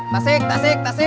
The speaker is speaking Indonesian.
tasik tasik tasik